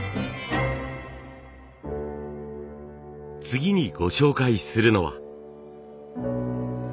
次にご紹介するのは。